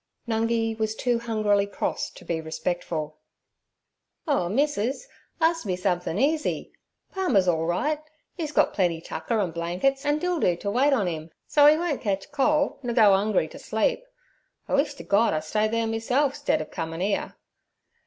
Nungi was too hungrily cross to be respectful. 'Oh, missus, arst me somethin' easy. Palmer's all right; 'e's got plenty tucker an' blankets, an' Dildoo ter wait on 'im, so 'e won't catch cole, nur go 'ungry t' sleep. I wish ter Gord I stayed there meself stead ov comin' 'ere.'